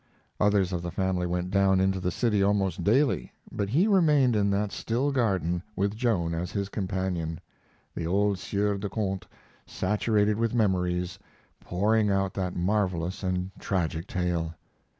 Others of the family went down into the city almost daily, but he remained in that still garden with Joan as his companion the old Sieur de Conte, saturated with memories, pouring out that marvelous and tragic tale.